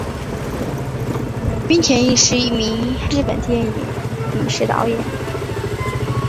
滨田毅是一名日本电影摄影导演。